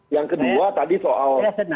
yang kedua tadi soal